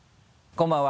こんばんは。